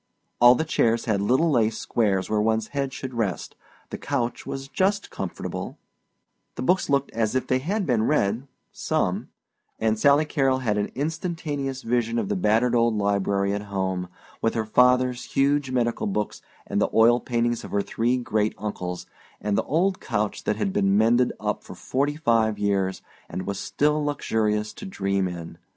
All the chairs had little lace squares where one's head should rest, the couch was just comfortable, the books looked as if they had been read some and Sally Carrol had an instantaneous vision of the battered old library at home, with her father's huge medical books, and the oil paintings of her three great uncles, and the old couch that had been mended up for forty five years and was still luxurious to dream in.